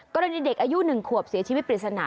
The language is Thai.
ก็เลยในเด็กอายุหนึ่งขวบเสียชีวิตปริศนา